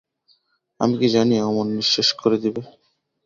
আমি কি জানি অমন নিঃশেষ করে দেবে?